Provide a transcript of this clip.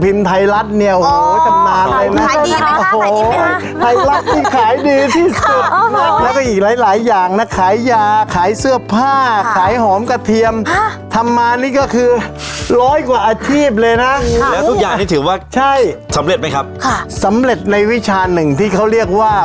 เป็นเท่าตัวเลยค่ะ